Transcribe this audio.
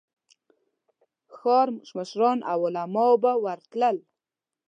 ښار مشران او علماء به ورتلل.